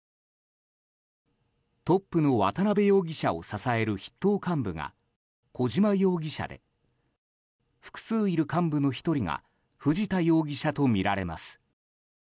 トップの渡邉容疑者を支える筆頭幹部が小島容疑者で複数いる幹部の１人が藤田容疑者とみられます。